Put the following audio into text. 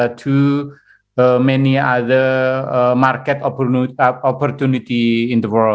untuk banyak kesempatan di pasar lain di dunia